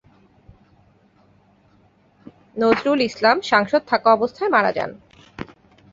নজরুল ইসলাম সাংসদ থাকা অবস্থায় মারা যান।